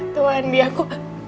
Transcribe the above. tuhan di aku